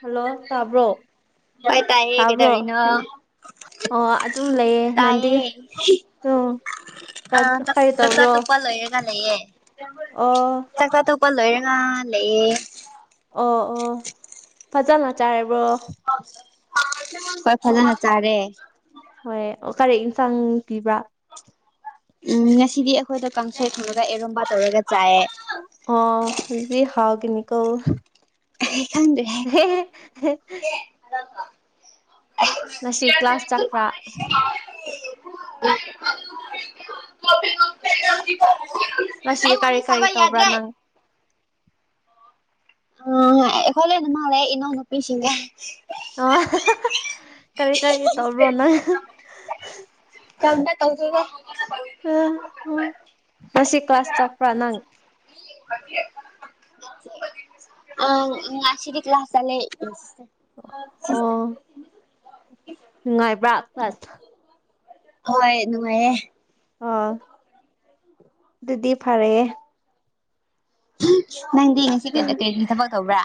hello ꯇꯥꯕ꯭ꯔꯣ ꯍꯣꯏ ꯇꯥꯏꯌꯦ ꯇꯥꯕ꯭ꯔꯣ ꯀꯩꯗꯧꯔꯤꯅꯣ ꯑꯣ ꯑꯗꯨꯝ ꯂꯩꯌꯦꯦ ꯅꯪꯗꯤ ꯇꯥꯏꯌꯦ ꯎꯝ ꯑ ꯀꯔꯤ ꯇꯀ ꯇꯧꯕ꯭ꯔꯣ ꯇꯨꯄ ꯂꯣꯏꯌꯦꯦꯒꯌꯦꯦ ꯑꯣ ꯇꯀ ꯇ ꯂꯄ ꯂꯣꯏꯔꯒ ꯂꯩꯌꯦ ꯑꯣ ꯑꯣ ꯐꯖꯅ ꯆꯥꯏꯔꯕ꯭ꯔꯣ ꯍꯣꯏ ꯐꯖꯅ ꯆꯥꯔꯦ ꯍꯣꯏ ꯀꯔꯦꯛ ꯏꯟꯁꯥꯡ ꯄꯤꯕ꯭ꯔꯥ ꯎꯝ ꯉꯁꯤꯗꯤ ꯑꯩꯈꯣꯏꯗꯣ ꯀꯥꯡꯁꯩ ꯊꯣꯡꯉꯒ ꯑꯦꯔꯣꯝꯕ ꯇꯧꯔꯒ ꯆꯥꯏꯑꯦ ꯑꯗꯤ ꯍꯥꯏꯅꯤꯀꯣ ꯈꯪꯗ꯭ꯔꯦꯍꯦ ꯍ ꯉꯁꯤ ꯀ꯭ꯂꯥꯁ ꯆꯠꯄ꯭ꯔ [inaudible] [inaudible] ꯉꯁꯤ ꯑꯩ ꯋꯥꯔꯤ ꯀꯔꯤ ꯀꯔꯤ ꯁꯥꯕ ꯇꯧꯕ꯭ꯔꯥ ꯌꯥꯗ꯭ꯔꯦ ꯅꯪ ꯑ ꯍꯂꯅ ꯃꯥꯂꯦ ꯏꯟꯅꯅ ꯄꯁꯤꯒ ꯑ ꯀꯔꯤ ꯀꯔꯤ ꯇꯧꯕ꯭ꯔꯣ ꯅꯪ ꯀꯔꯝꯅ ꯇꯧꯗꯣꯏꯅꯣ ꯑ ꯎ ꯅꯁꯤ ꯀ꯭ꯂꯥꯁ ꯆꯥꯛꯄ꯭ꯔꯥ ꯅꯪ ꯑ ꯉꯁꯤꯔꯤ ꯀ ꯂꯥꯁ ꯆꯦ [inaudible] ꯑꯣ ꯅꯨꯡꯉꯥꯏꯕ꯭ꯔꯥ ꯐꯁ ꯍꯣꯏ ꯅꯨꯡꯉꯥꯏꯌꯦ ꯑꯣ ꯑꯗꯨꯗꯤ ꯐꯔꯦꯦ ꯍ ꯁꯤ ꯀ ꯀꯩ ꯊꯕꯛ ꯇꯧꯕ꯭ꯔꯥ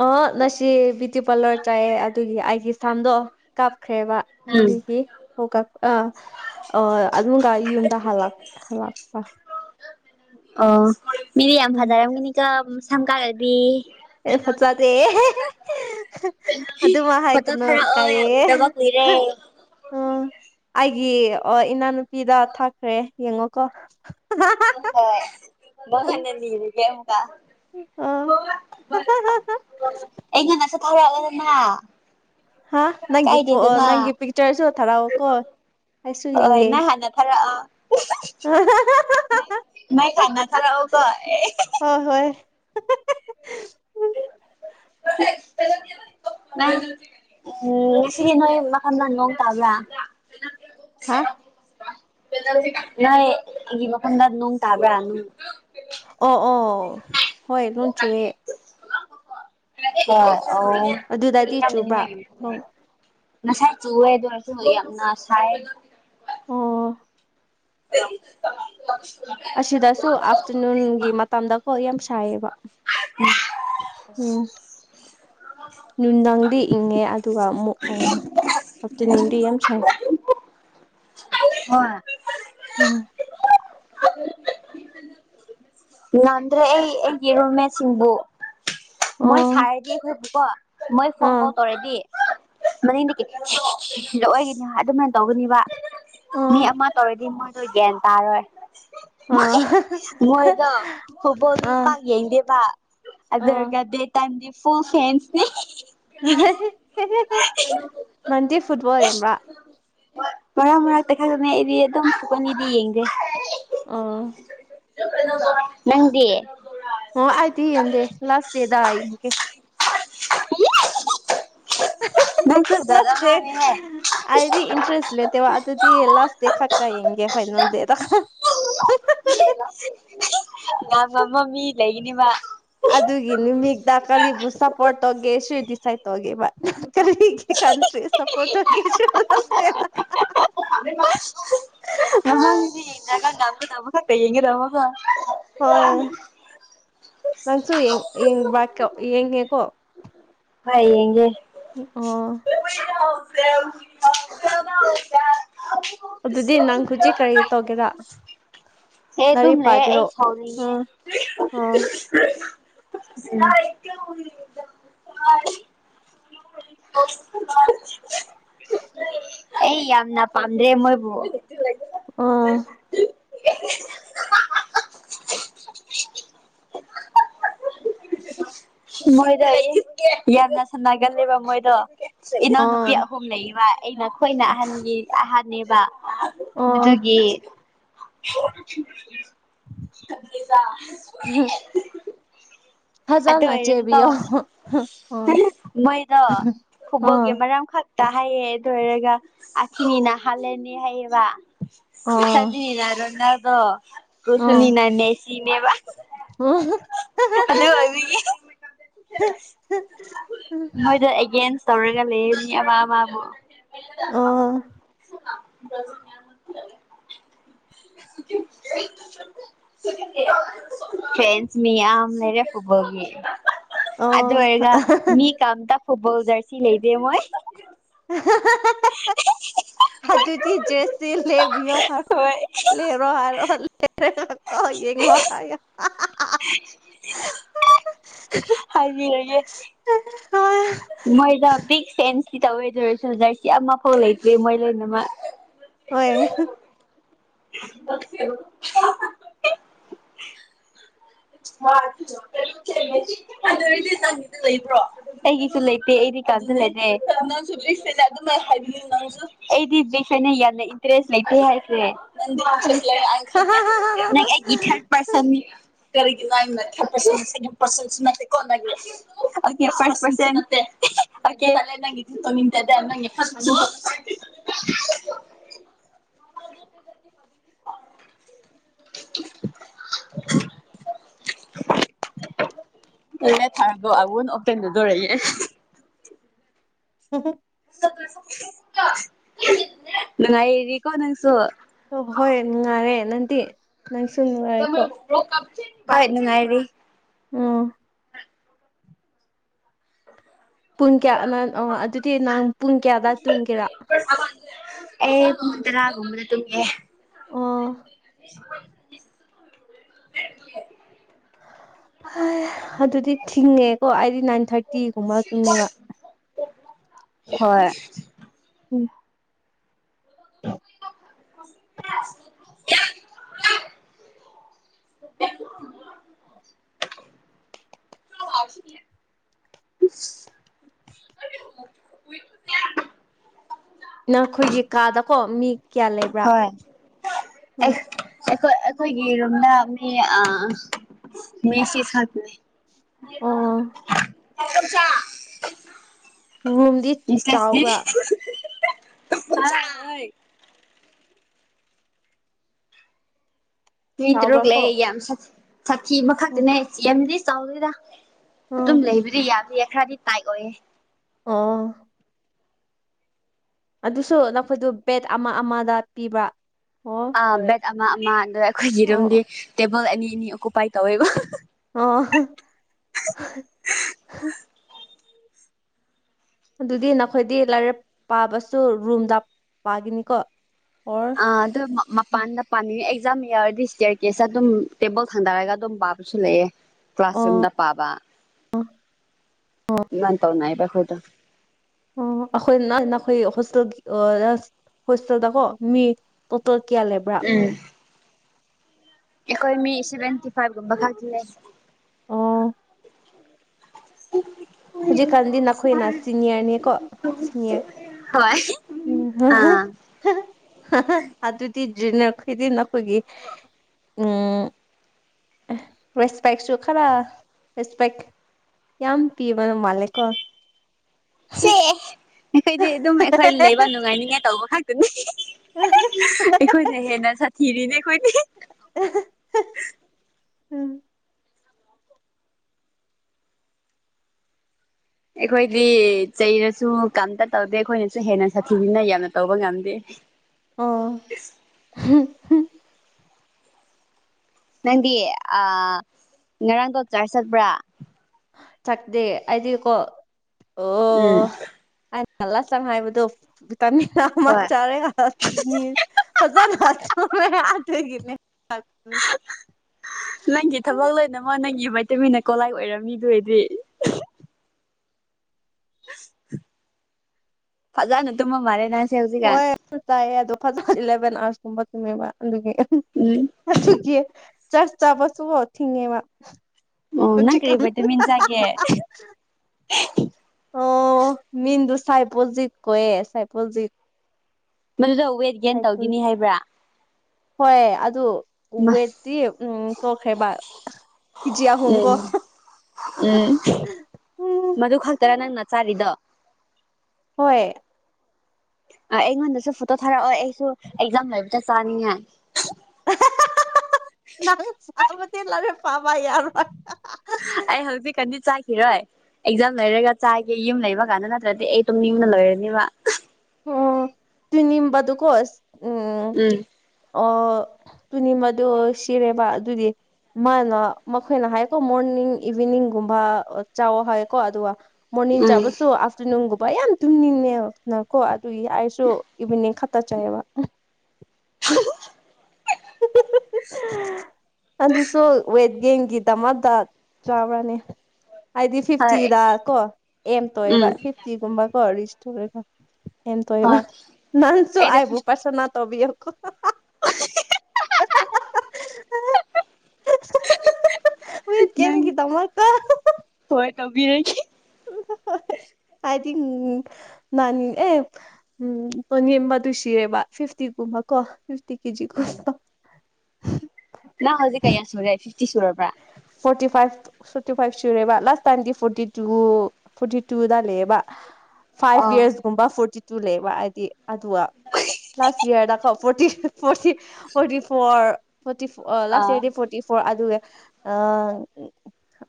ꯑ ꯉꯁꯤ ꯕꯌꯨꯇꯤ ꯄꯥꯔꯂꯔ ꯆꯥꯏꯑꯦ ꯑꯗꯨꯒꯤ ꯑꯩꯒꯤ ꯑꯁꯥꯝꯗꯣ ꯀꯥꯞꯈ꯭ꯔꯦꯕ ꯎꯝ ꯑꯗꯨꯒꯤ ꯍ ꯑꯥ ꯀ ꯌꯨꯝꯗ ꯍꯜꯂꯛ ꯍꯜꯂꯛꯄ ꯑꯣ ꯃꯤꯗꯤ ꯌꯥꯝ ꯎꯝ ꯐꯖꯔꯝꯒꯅꯤꯒ ꯁꯝꯀꯥꯂꯗꯤ ꯑꯦ ꯐꯖꯗꯦ ꯑꯗꯨꯃ ꯍꯇ ꯍꯥꯏꯒꯅꯨ ꯍꯔ ꯑ ꯎꯗꯕꯔ ꯔ ꯑ ꯑꯩꯒꯤ ꯏꯅꯥꯅꯨꯄꯤꯗ ꯊꯥꯛꯈ꯭ꯔꯦ ꯌꯦꯡꯉꯣꯀꯣ ꯍ ꯅꯅꯤꯔ ꯀꯦꯃ ꯑꯣ [inaudible] ꯑ ꯑꯣꯃ ꯍꯥꯥ ꯅꯪꯒꯤ ꯐ ꯅꯪꯒꯤ ꯄꯤꯛꯆꯔꯁꯨ ꯊꯔꯑꯣ ꯀꯣꯣꯟ ꯍꯅ ꯍꯥꯟꯅ ꯊꯔ ꯑ ꯅ ꯈꯥꯟꯅ ꯊꯔ ꯑꯣꯒ ꯍꯣꯏ ꯍꯣꯏ [unintelligible] ꯃ ꯎꯝ ꯉꯁꯤꯗꯤ ꯅꯣꯏ ꯃꯈꯜ ꯂꯍꯥꯟ ꯂꯣꯡ ꯇꯥꯕ꯭ꯔꯥ ꯍꯥ ꯅꯦ ꯏꯃꯀꯟ ꯑꯗꯨ ꯅꯅꯨꯡ ꯇꯥꯕꯅꯅꯨꯡ ꯑꯣ ꯑꯣ ꯍꯣꯏ ꯂꯣꯟ ꯆꯨꯋꯦ ꯑ ꯑꯗꯨꯗꯗꯤ ꯆꯨꯕ꯭ꯔꯥ ꯅꯣꯡ ꯉꯁꯥꯏ ꯆꯨꯋꯦꯗ ꯑꯣꯏꯔꯁꯨ ꯌꯥꯝꯅ ꯁꯥꯏ ꯑꯣ [unintelligible] ꯑꯁꯤꯗꯁꯨ ꯑꯥꯐꯇꯔꯅꯨꯟꯒꯤ ꯃꯇꯝꯗꯀꯣ ꯌꯥꯝ ꯁꯥꯏꯌꯦꯕ ꯎꯝ ꯅꯨꯡꯊꯪꯗꯤ ꯏꯪꯉꯦ ꯑꯗꯨꯒ ꯑꯃꯨꯛ ꯑꯣ ꯑꯐꯇꯔꯅꯨꯟ ꯇꯤ ꯑꯦꯝꯁ ꯍ ꯅꯟ꯭ꯔꯦ ꯑꯩ ꯑꯩ ꯏꯔꯣꯃꯦ ꯁꯤꯕꯨ ꯃꯣꯏ ꯑꯣ ꯆꯥꯏꯗꯤ ꯈꯣꯏꯕꯤꯀꯣ ꯃꯣꯏ ꯐꯣꯟ ꯀꯣ ꯑꯥ ꯇꯧꯔꯗꯤ ꯃꯅꯤꯡ ꯂꯑꯣꯒꯤꯅꯤ ꯑꯗꯨꯃꯥꯏꯅ ꯇꯧꯒꯅꯤꯕ ꯑꯥ ꯃꯤ ꯑꯃ ꯇꯧꯔꯗꯤ ꯃꯣꯏꯗꯣꯏ ꯒ꯭ꯌꯥꯟ ꯇꯥꯔꯣꯏ ꯑꯥ ꯃꯣꯏꯗꯣ ꯐꯨꯠꯕꯣꯜꯗꯤ ꯑꯥ ꯄꯥꯛ ꯌꯦꯡꯗꯦꯕ ꯑꯗꯨ ꯑꯣ ꯗꯦ ꯇꯥꯏꯝꯗꯤ ꯐꯨꯜ ꯐꯦꯟꯁꯤ [inaudible] ꯅꯪꯗꯤ ꯐꯨꯠꯕꯣꯜ ꯌꯦꯡꯕ꯭ꯔꯥ ꯃꯔꯥꯡ ꯃꯔꯥꯡꯛꯇ ꯈꯪꯛꯇꯅꯦ ꯑꯩꯗꯤ ꯑꯗꯨꯝ ꯁꯨꯀꯅꯤꯗꯤ ꯌꯦꯡꯖꯩꯦ ꯑꯥ ꯅꯪꯗꯤꯌꯦ ꯍ ꯑꯇ ꯀꯗ ꯂꯥꯁ ꯗꯦꯗ ꯑꯏ ꯍꯧ ꯅ ꯂꯥꯁ ꯗꯦ ꯑꯩꯗꯤ ꯏꯟꯇꯔꯦꯁ ꯂꯩꯇꯦꯕ ꯑꯗꯨꯗꯤ ꯂꯥꯁ ꯗꯦ ꯈꯛꯇ ꯌꯦꯡꯒꯦ ꯐꯥꯏꯅꯦꯜ ꯗ ꯇ ꯉ ꯑꯃ ꯃꯤ ꯂꯩꯅꯤꯕ ꯑꯗꯨꯒꯤ ꯅꯨꯃꯤꯒꯗ ꯀꯔꯤꯕꯨ ꯁꯄꯣꯔꯠ ꯇꯒꯦꯁꯨꯁꯥꯏꯠ ꯇꯦ ꯃꯥ ꯀꯔꯤ ꯀꯟꯇ꯭ꯔꯤ ꯁꯄꯣꯠꯦ ꯆꯁꯦꯗ ꯏꯟꯅ ꯀ ꯅꯝꯒ ꯅꯃꯒ ꯇꯩꯡꯒꯦ ꯇꯃꯒ ꯍꯣꯏ ꯅꯪꯁꯨ ꯌꯦꯡꯕ ꯌꯦꯡꯉꯦꯀꯣ ꯍ ꯌꯦꯒꯦ ꯑ ꯅꯥ ꯑꯗꯨꯗꯤ ꯅꯪ ꯍꯧꯖꯤꯛ ꯀꯔꯤ ꯇꯧꯒꯦꯔꯥ [inaudible] ꯑꯦ ꯑꯗꯨꯝ ꯂꯥꯏꯔꯤꯛ ꯂꯩꯍꯦ ꯄꯥꯒꯦꯔꯣ ꯑꯩ ꯁꯥꯎꯔꯤꯉꯦ [inaudible] [inaudible] [inaudible] [inaudible] ꯑꯣ ꯑꯣ ꯑꯩ ꯌꯥꯝꯅ ꯄꯥꯝꯗ꯭ꯔꯦ ꯃꯣꯏꯕꯨ ꯑꯥ [inaudible] [inaudible] [inaudible] [inaudible] ꯃꯣꯏꯗꯣ ꯌꯥꯝꯟꯅ ꯁꯟꯅꯒꯜꯂꯦꯕ ꯃꯣꯏꯗꯣ ꯑꯣ ꯏꯅꯥꯎꯅꯨꯄꯤ ꯑꯍꯨꯝ ꯂꯩꯕ ꯑꯩꯅꯈꯣꯏꯅ ꯑꯍꯟꯒꯤ ꯑꯍꯅꯦꯕ ꯑꯣ ꯃꯗꯨꯒꯤ ꯑꯗꯨꯖ ꯑꯇꯩ ꯐꯖꯅ ꯑꯣꯏꯔꯦ ꯇ ꯆꯦꯕꯤꯌꯣ ꯑꯣ ꯃꯣꯏꯗ ꯐꯨꯠꯕꯣꯜꯒꯤ ꯑꯣ ꯃꯔꯝ ꯈꯛꯇ ꯍꯥꯏꯌꯦ ꯑꯗꯨ ꯑꯣꯏꯔꯒ ꯑꯀꯤꯅꯤꯅ ꯍꯥꯜꯂꯅꯤ ꯍꯥꯏꯌꯦꯕ ꯆꯖꯤ ꯑꯣ ꯅꯔꯣꯟꯗꯥꯗꯣ ꯑꯣ ꯄꯁꯅꯤꯅ ꯅꯁꯤꯅꯦꯕ [inaudible] [inaudible] [inaudible] ꯃꯣꯏꯗ ꯑꯦꯒꯦꯟꯁ ꯇꯧꯔꯒ ꯂꯩꯅꯤ ꯃꯥ ꯃꯥꯕꯨ ꯑꯣ [inaudible] ꯐꯦꯟꯁ ꯃꯤ ꯌꯥꯝ ꯂꯩꯔꯦ ꯐꯕꯒꯤ ꯑꯗꯨꯗ ꯑꯣꯏꯔꯒ ꯑꯣ ꯃꯤ ꯀꯝ ꯇ ꯐꯨꯠꯕꯜ ꯔꯁꯤ ꯂꯩꯗꯦ ꯃꯣꯏ [inaudible] ꯑꯗꯨ ꯑꯗꯨꯗꯤ ꯗ꯭ꯔꯦꯁꯁꯤ ꯂꯩꯦꯕꯤꯑꯣꯔ ꯍꯣꯏ ꯂꯩꯦꯔꯣ ꯍꯥꯏꯔꯣ ꯀ ꯌꯦꯡꯉ ꯍꯥꯏ ꯍꯥꯏꯕꯤ ꯍꯥꯏꯏꯦ ꯃꯣꯏꯗ ꯕꯤꯛ ꯆꯦꯟꯁꯇ ꯇ ꯑꯣꯏꯗꯔꯁꯨ ꯖꯔꯁꯤ ꯌꯥꯝ ꯃꯐꯥꯎ ꯂꯩꯇ꯭ꯔꯦ ꯃꯣꯏ ꯂꯩꯣꯏꯅꯃꯛ ꯍꯣꯏ [inaudible] [inaudible] ꯑꯩꯒꯤꯁꯨ ꯂꯩꯇꯦꯗꯤ ꯦ ꯑꯩꯗꯤ ꯅ ꯌꯥꯝꯅ ꯏꯟꯇꯔꯦꯁ ꯂꯩ ꯍꯥꯏꯦ ꯅ ꯊꯔ ꯄꯔꯁꯟ ꯀꯔꯤꯒꯤ ꯅ ꯏ ꯈꯁꯦ ꯄꯁꯦ ꯀꯣꯟꯦ ꯐ ꯐꯁꯅꯦ ꯑ ꯀꯦꯂ ꯅꯪ ꯇꯣ ꯃꯤꯇꯗꯦ ꯐ [inaudible] [inaudible] [inaudible] [inaudible] ꯍ ꯊꯔꯗ ꯑꯒꯟ ꯑꯣꯇꯦꯟꯗꯨꯗꯧꯔꯦ ꯍ ꯍꯣ ꯅꯨꯡꯉꯥꯏꯔꯤꯀꯣ ꯅꯪꯁꯨ ꯑꯣ ꯍꯣꯏ ꯅꯨꯡꯉꯥꯏꯔꯦ ꯅꯪꯗꯤ ꯅꯪꯁꯨ ꯅꯨꯡꯉꯥꯏꯔꯦꯀꯣ ꯍ ꯅꯨꯡꯉꯥꯏꯔꯤ ꯑ ꯄꯨꯡ ꯀꯌꯥ ꯅ ꯑꯗꯨꯗꯤ ꯅꯍꯪ ꯄꯨꯡ ꯀꯌꯥꯗ ꯇꯨꯡꯒꯦꯔꯥ ꯑꯦ ꯀꯗꯔꯥꯒꯨꯝꯗ ꯇꯦ ꯑꯣ [inaudible] [inaudible] ꯑꯗꯨꯗꯤ ꯊꯤꯡꯉꯦꯀꯣ ꯑꯩꯗꯤ ꯅꯥꯏꯟ ꯊꯥꯔꯇꯤ ꯊꯒꯃ ꯇꯨꯃꯦ ꯍꯣꯏ ꯎꯝ [inaudible] [inaudible] [inaudible] [inaudible] [inaudible] [inaudible] [inaudible] [inaudible] ꯎ ꯅꯈꯣꯏꯒꯤ ꯀꯥꯗꯀꯣ ꯃꯤ ꯀꯌꯥ ꯂꯩꯕ꯭ꯔꯥ ꯍꯣꯏ ꯎꯝ ꯑꯩꯈꯣꯏ ꯑꯩꯈꯣꯏꯒꯤ ꯔꯝꯗ ꯃꯤ ꯃꯤꯁꯤ ꯁꯛꯇꯅꯦ ꯑꯣ [unintelligible] [inaudible] [inaudible] ꯔꯨꯝꯗꯤ ꯆꯥꯎꯕ꯭ꯔꯥ ꯃꯤꯁꯁꯦꯏ ꯅꯨꯨꯏ ꯆꯥꯎꯕ꯭ꯔꯥ ꯇꯔꯨꯛ ꯀꯣ ꯂꯩ ꯌꯥꯝ ꯁꯥꯊꯤ ꯎꯝ ꯑꯃꯈꯛꯇꯤꯅꯦ ꯌꯥꯝꯗꯤ ꯆꯥꯎꯗꯣꯏꯗ ꯎꯝ ꯑꯗꯨꯝ ꯂꯩꯕꯗꯤ ꯌꯥꯗꯌꯦ ꯈꯔꯗꯤ ꯇꯥꯏꯠ ꯑꯣꯏꯌꯦ ꯑꯥ ꯑꯗꯨꯁꯨ ꯅꯈꯣꯏꯗꯨ ꯕꯦꯠ ꯑꯃ ꯑꯃꯗ ꯄꯤꯕ꯭ꯔꯥ ꯑꯣ ꯑ ꯕꯦꯠ ꯑꯃ ꯑꯃ ꯑ ꯑꯩꯈꯣꯏꯒꯤ ꯔꯨꯝꯗꯤ ꯑꯣ ꯇꯦꯕꯜ ꯑꯅꯤ ꯑꯅꯤ ꯑꯣꯀꯨꯄꯥꯏ ꯇꯧꯋꯦꯕ ꯑꯣ ꯑꯗꯨꯗꯤ ꯅꯈꯣꯏꯗꯤ ꯂꯥꯏꯔꯛ ꯄꯥꯕꯁꯨ ꯔꯨꯝꯗ ꯄꯥꯒꯤꯅꯤꯀꯣ ꯑꯣꯔ ꯑ ꯑꯗꯨ ꯃꯄꯥꯟꯗ ꯄꯅꯤ ꯑꯦꯛꯖꯥꯝ ꯌꯥ ꯌꯥꯔꯗꯤ ꯏꯁꯇꯤꯌꯔ ꯀꯦꯁ ꯑꯗꯨꯝ ꯇꯦꯕꯜ ꯊꯥꯡꯗꯔꯒ ꯑꯗꯨꯝ ꯄꯥꯕꯁꯨ ꯂꯩꯑꯦ ꯑꯣ ꯀ꯭ꯂꯥꯁꯔꯨꯝꯗ ꯄꯥꯕ ꯅꯥꯟ ꯇꯧꯅꯏꯕꯈꯣꯗ ꯍꯣꯇꯦꯜ ꯍꯣꯁꯇꯦꯜꯗ ꯀꯣ ꯃꯤ ꯇꯣꯇꯦꯜ ꯀꯌꯥ ꯂꯩꯕ꯭ꯔꯥ ꯑꯩꯣꯏ ꯃꯤ ꯁꯦꯚꯦꯟꯇꯤ ꯐꯥꯏꯚ ꯒ ꯂꯩ ꯑꯣ ꯎꯝ ꯍꯧꯖꯤꯛꯀꯥꯟꯗꯤ ꯅꯈꯣꯏꯅ ꯁꯤꯅꯤꯌꯔꯅꯤꯀꯣ ꯁꯤꯅꯤꯌꯔ ꯍꯣꯏ ꯎꯝ ꯑꯥ ꯑꯗꯨ ꯑꯗꯨꯗꯤꯔꯤ ꯅꯈꯣꯏꯗꯤ ꯅꯈꯣꯏꯒꯒꯤ ꯎꯝ ꯔꯦꯁꯄꯦꯛꯁꯨ ꯈꯔ ꯔꯦꯁꯄꯦꯛ ꯌꯥꯝ ꯄꯤꯕꯅ ꯃꯥꯜꯂꯦꯀꯣ ꯁꯦ ꯑꯩꯈꯣꯏꯗꯤ ꯑꯗꯨꯝ ꯑꯩꯈꯣꯏ ꯂꯩꯕ ꯅꯨꯡꯉꯥꯏꯅꯤꯡꯉꯥꯏ ꯇꯧꯕ ꯉꯥꯛꯇꯅꯤ ꯑꯩꯈꯣꯏꯅꯦ ꯍꯦꯅ ꯆ ꯊꯤꯔꯤꯅꯦ ꯑꯩꯈꯣꯏꯅꯦ ꯎꯝ ꯑꯩꯈꯣꯏꯗꯤ ꯆꯩꯔꯁꯨ ꯀꯝꯇ ꯇꯧꯗꯦ ꯑꯩꯈꯣꯏꯅꯁꯨ ꯍꯦꯟꯅ ꯁꯥꯊꯤꯕꯤꯅ ꯌꯥꯝꯅ ꯇꯧꯕ ꯉꯝꯗꯦ ꯑ ꯅꯪꯗꯤ ꯉꯔꯥꯡ ꯗꯣꯛꯇꯥꯔ ꯆꯠꯄ꯭ꯔꯥ ꯆꯠꯗꯦ ꯍꯥꯏꯗꯤ ꯀꯣ ꯑꯣ ꯎꯝ ꯉꯂ ꯆꯪ ꯍꯥꯏꯥꯏꯕꯗꯣ ꯀꯅꯤꯅ ꯃ ꯍꯣꯏ ꯆꯥꯔꯦ ꯍꯥꯠꯇꯨꯅꯤ ꯐꯖꯅ ꯍꯥꯇꯦ ꯀꯅꯦ ꯅꯪꯒꯤ ꯊꯕꯛ ꯂꯩꯅꯃꯛꯣ ꯅꯪꯒꯤ ꯃꯩꯇꯩꯃꯤꯟꯅ ꯀꯣꯂꯥꯏ ꯑꯣꯏꯔꯝꯃꯤꯗꯨ ꯑꯣꯏꯗꯤ ꯐꯖꯅꯠꯇꯨꯃ ꯃꯔꯦꯅ ꯍꯣꯏ ꯌꯥꯝ ꯆꯥꯏꯌꯦ ꯑꯗꯣ ꯐꯖ ꯏꯂꯦꯚꯦꯟ ꯑꯋꯥꯔꯁꯀꯨꯝꯕ ꯆꯨꯝꯃꯦꯕ ꯑꯗꯨꯒꯤ ꯎꯝ ꯑꯗꯨꯒꯤ ꯆꯔ ꯆꯥꯕꯁꯨꯐꯥꯎ ꯊꯤꯡꯉꯦꯕ ꯑꯣ ꯅꯪ ꯍꯧꯖꯤꯛꯀꯥꯟ ꯀꯔꯤꯕꯩꯇ ꯃꯤꯟꯖꯒꯦ ꯑꯣ ꯃꯤꯗꯨ ꯁꯥꯏꯄꯣꯖꯤꯠ ꯀꯋꯦ ꯁꯥꯏꯄꯣꯖꯤꯠ ꯃꯗꯨꯗ ꯋꯦꯠ ꯒꯦꯟ ꯇꯧꯈꯤꯅꯤ ꯍꯥꯏꯕ꯭ꯔꯥ ꯍꯣꯏ ꯑꯗꯨ ꯎꯝ ꯋꯦꯠꯇꯠꯇꯤ ꯎꯝ ꯇꯣꯛꯈ꯭ꯔꯦꯕ ꯖꯤꯌꯥ ꯍꯣꯡꯒꯣ ꯎꯝ ꯃꯗꯨ ꯈꯛꯇꯔ ꯅꯪꯅ ꯆꯥꯔꯤꯗ ꯍꯣꯏ ꯑ ꯑꯩꯉꯣꯟꯗꯁꯨ ꯐꯣꯇꯣ ꯊꯥꯔꯛꯑꯣ ꯑꯩꯁꯨ ꯑꯦꯛꯖꯥꯝ ꯂꯩꯕ ꯆ ꯆꯥꯅꯤꯡꯉꯦ ꯅꯪ ꯆꯕꯠꯇꯤ ꯂꯝꯔꯦ ꯄꯥꯕ ꯌꯥꯔꯃ ꯑꯩ ꯍꯧꯜꯕꯤ ꯀꯗꯤꯠ ꯆꯥꯈꯤꯔꯣꯏ ꯑꯦꯛꯖꯥꯝ ꯂꯩꯔꯒ ꯆꯥꯏꯒꯦ ꯌꯨꯝ ꯂꯩꯃ ꯀꯥꯟꯗ ꯅꯠꯇ꯭ꯔꯗꯤ ꯑꯩ ꯑꯗꯨꯝ ꯌꯨꯝꯅ ꯂꯩꯔꯅꯤꯕ ꯑꯣ ꯇꯨ ꯅꯤꯡꯝꯕꯗꯨꯀꯣꯁ ꯎꯝ ꯑꯣ ꯇꯨꯅꯤ ꯃꯗꯨ ꯁꯤꯔꯦꯕ ꯑꯗꯨꯗꯤ ꯃꯥꯅ ꯃꯈꯣꯏꯅ ꯍꯥꯏꯀꯣ ꯃꯣꯔꯅꯤꯡ ꯏꯚꯤꯅꯤꯡꯒꯨꯝꯕ ꯆꯥꯎꯋ ꯍꯥꯏꯌꯦꯀꯣ ꯑꯗꯨꯒ ꯃꯣꯔꯅꯤꯡꯡ ꯎꯝ ꯆꯕꯁꯨ ꯑꯐꯇꯔꯅꯨꯟꯒꯕ ꯌꯥꯝ ꯇꯨꯡꯅꯤꯅꯤ ꯎꯅꯔ ꯇꯨꯏ ꯑꯩꯁꯨ ꯏꯚꯅꯤꯡ ꯈꯛꯇ ꯎꯝ ꯆꯥꯏꯌꯦꯕ ꯑ ꯁꯣ ꯍꯌꯦꯡꯒꯤꯗꯃꯗ ꯆꯥꯕ꯭ꯔꯅꯤ ꯍꯥꯏꯗꯤ ꯍꯣꯏ ꯐꯤꯐꯇꯤꯗ ꯑꯩꯁꯨ ꯀꯣ ꯑꯦꯝ ꯇꯣꯛꯑꯦꯕ ꯎꯝ ꯐꯤꯐꯇꯤꯒꯨꯝꯕ ꯀꯣ ꯔꯤꯁ ꯇꯧꯔꯦꯀ ꯑꯦꯝ ꯇ ꯏꯕ ꯍꯣꯏ ꯅꯅꯥꯟꯁꯨ ꯑꯩꯗ ꯑꯕꯨ ꯐꯤꯐꯇꯤ ꯄꯔꯁꯅꯥ ꯇꯣꯕꯤꯣ [unintelligible] ꯣꯏ ꯀꯦꯝ ꯀ ꯇꯔ ꯇ ꯕꯤꯔꯈꯤ ꯍ ꯑꯥꯏ ꯊꯤꯡ ꯅꯅꯤ ꯑꯦ ꯎ ꯇꯣꯟꯦꯝꯕ ꯑꯗꯨ ꯁꯤꯔꯦꯕ ꯐꯤꯐꯇꯤ ꯀ ꯃꯀꯣ ꯏꯐꯇꯤ ꯀꯦꯖꯤ ꯀ ꯅ ꯍꯧꯖꯤꯛ ꯀ ꯁꯨꯖꯥꯏꯁꯤ ꯐꯣꯔꯇꯤ ꯐꯥꯏꯚ ꯐꯣꯔꯇꯤ ꯐꯥꯏꯚ ꯁꯨꯔꯦꯕ ꯂꯥꯁ ꯇꯥꯏꯝꯗꯤ ꯐꯣꯔꯇꯤ ꯇꯨ ꯐꯣꯔꯇꯤ ꯇꯨꯗ ꯂꯩꯑꯦꯕ ꯐꯥꯏꯚ ꯑꯥ ꯌꯔꯁꯀꯨꯝꯕ ꯐꯣꯔꯇꯤ ꯇꯨ ꯂꯩꯕ ꯍꯥꯏꯗꯤ ꯑꯗꯨꯒ ꯂꯥꯁ ꯌꯌꯥꯔꯗ ꯐꯇꯤ ꯐꯣꯔꯇꯤ ꯐꯣꯔꯇꯤ ꯐꯣꯔ ꯐꯣꯔꯇꯤ ꯐ ꯑꯥ ꯂꯥꯁꯔ ꯐꯣꯔꯇꯤ ꯐꯣꯔ ꯑꯗꯨꯒ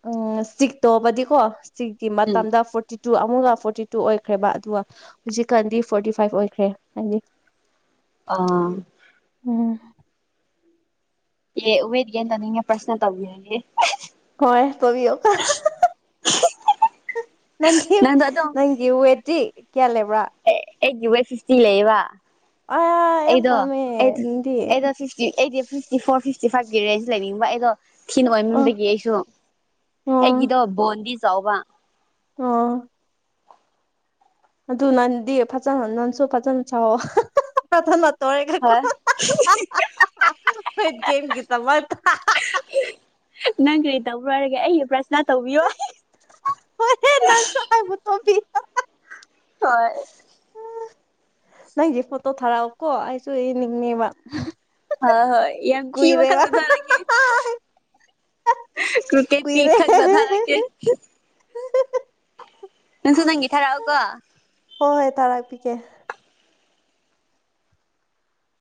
ꯎꯝ ꯁꯤ ꯇꯣꯕꯗꯤꯀꯣ ꯁꯤꯀꯤ ꯎꯝ ꯃꯇꯝꯗ ꯐꯣꯔꯇꯤ ꯇꯨ ꯑꯃꯨꯒ ꯐꯣꯔꯇꯤ ꯇꯨ ꯑꯣꯏꯈ꯭ꯔꯦꯕ ꯑꯗꯨꯒ ꯍꯧꯨꯖꯤꯛꯀꯥꯟꯗꯤ ꯐꯣꯔꯇꯤ ꯐꯥꯏꯚ ꯑꯣꯏꯈ꯭ꯔꯦ ꯍꯥꯏꯅꯤ ꯑꯥ ꯎꯝ ꯑꯦ ꯎꯋꯦꯗꯒꯦꯦꯟꯟꯅꯤꯡ ꯄꯔꯁꯅꯦꯜ ꯇꯧꯤꯦ ꯍꯣꯏ ꯇꯕꯤ ꯑꯣ ꯍ ꯅꯪ ꯅꯪꯒꯤ ꯍꯋꯦꯠꯇꯤ ꯀꯌꯥꯦꯜꯦꯕ꯭ꯔꯥ ꯁꯁꯇꯤ ꯂꯩꯌꯦꯕ ꯌꯥꯝ ꯑꯩꯗꯣ ꯄꯥꯝꯃꯦ ꯑꯩꯣ ꯅꯪꯗꯤ ꯑꯩꯗꯣ ꯑ ꯐꯇꯤ ꯑꯩꯗꯤ ꯐꯤꯇꯤ ꯐꯣꯔ ꯐꯤꯇꯤ ꯐꯥꯏꯚ ꯔ ꯑꯩꯁꯨ ꯂꯩꯅꯤꯡꯕ ꯑꯩꯗꯣ ꯊꯤꯅ ꯑꯣ ꯑꯣꯏꯃꯟꯗꯒꯤ ꯑꯩꯁꯨ ꯑꯩꯒꯤꯗꯣ ꯕꯣꯟꯗꯤ ꯆꯥꯎꯕ ꯑꯣ ꯑꯗꯨ ꯅꯟꯗꯤ ꯐꯖꯅ ꯅꯟꯁꯨ ꯐꯖꯅ ꯁꯑꯣꯣ ꯇꯒꯣꯏ ꯍꯣꯏ ꯀꯦꯝ ꯃ ꯅꯪ ꯀꯔꯤ ꯇꯧꯕꯔꯔꯒꯦ ꯑꯩꯒꯤ ꯄ꯭ꯔꯁꯅꯥ ꯇꯧꯕꯤꯌꯣ ꯍꯦ ꯅꯕꯨ ꯍ ꯅꯪꯁꯦ ꯐꯣꯇꯣ ꯊꯥꯔꯛꯑꯣꯀꯣ ꯑꯩꯁꯨ ꯌꯦꯅꯤꯡꯅꯦꯕ ꯍꯣꯏ ꯍꯣꯏ ꯌꯥꯝ ꯀꯤꯕ ꯈꯛꯇ ꯊꯥꯔꯛꯒꯦ ꯀ꯭ꯔꯀꯦꯠ ꯀꯨꯏꯔꯦ ꯊꯕ ꯍꯣꯏ ꯊꯔꯒꯦ ꯅꯪꯁꯨ ꯅꯪꯒꯤ ꯊꯥꯔꯛꯑꯣꯀꯣ ꯇꯥꯔꯥꯛꯄꯤꯒꯦ